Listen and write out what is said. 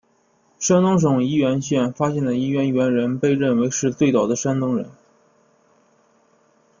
山东省沂源县发现的沂源猿人被认为是最早的山东人。